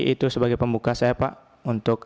itu sebagai pembuka saya pak untuk